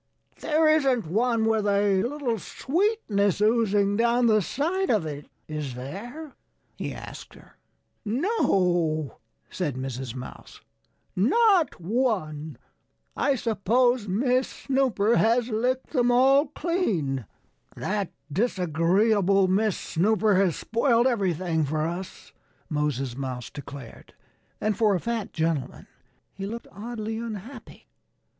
"There isn't one with a little sweetness oozing down the side of it, is there?" he asked her. "No!" said Mrs. Mouse. "Not one! I suppose Miss Snooper has licked them all clean." "That disagreeable Miss Snooper has spoiled everything for us," Moses Mouse declared. And for a fat gentleman he looked oddly unhappy.